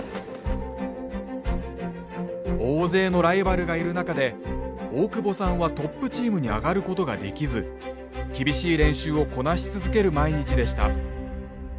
大勢のライバルがいる中で大久保さんはトップチームに上がることができず厳しい練習をこなし続ける毎日でした。